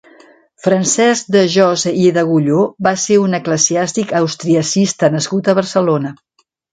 Francesc de Josa i d'Agulló va ser un eclesiàstic austriacista nascut a Barcelona.